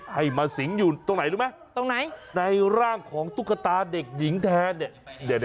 ให้มาสิงอยู่ตรงไหนรู้ไหมตรงไหนในร่างของตุ๊กตาเด็กหญิงแทนเนี่ย